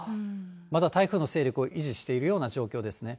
まだ台風の勢力を維持しているような状況ですね。